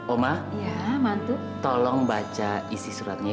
oma ya mantu tolong baca isi suratnya